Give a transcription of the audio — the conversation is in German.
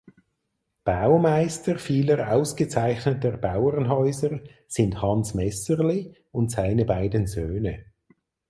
Baumeister vieler ausgezeichneter Bauernhäuser sind Hans Messerli und seine beiden Söhne.